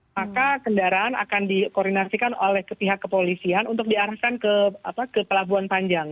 maka kendaraan akan dikoordinasikan oleh pihak kepolisian untuk diarahkan ke pelabuhan panjang